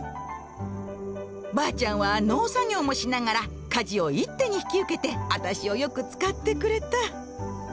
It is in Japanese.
ばあちゃんは農作業もしながら家事を一手に引き受けてアタシをよく使ってくれた。